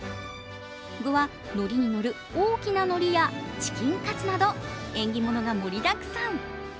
具は、ノリにのる、大きなのりやチキンカツなど縁起物がたくさん。